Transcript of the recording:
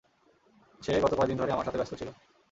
সে গত কয়দিন ধরে আমার সাথে ব্যস্ত ছিল।